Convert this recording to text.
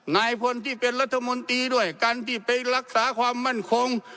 นายพลที่เป็นรัฐมนตรีด้วยกันที่ไปรักษาความมั่นคง